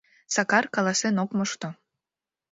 Сакар каласен ок мошто.